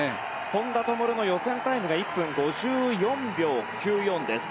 本多灯の予選タイムが１分５４秒９４です。